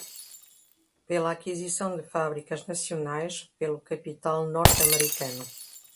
pela aquisição de fábricas nacionais pelo capital norte-americano